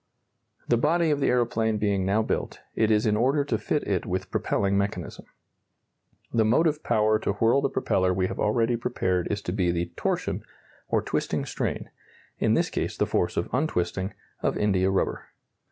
The body of the aeroplane being now built, it is in order to fit it with propelling mechanism. The motive power to whirl the propeller we have already prepared is to be the torsion, or twisting strain in this case the force of untwisting of india rubber.